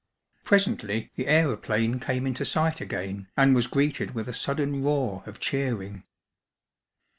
Presently the aeroplane came into sight again and was greeted with a sudden roar of cheering.